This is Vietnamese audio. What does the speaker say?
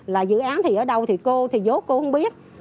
là dự án thì ở đâu thì cô thì vô cô không biết